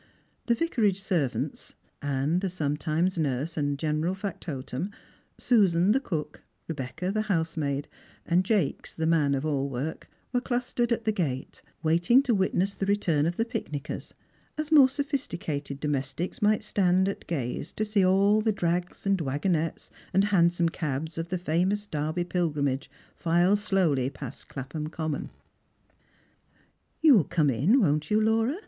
The vicarage servants — Ann the sometime nurse and general factotum, Susan the coolc, Rebecca the housemaid, and Jakes, the man of all work — were clustered at the gate, waiting to witness the return of the pic nickers, as more sophisticated domestics might stand at gaze to Bee all the drags and wagonettes and hansom cabs of the famous Derby pilgrimage file slowly past Clapham common. "You'll come in, won't you, Laura?"